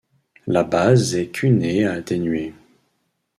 La base est cunée à atténuée.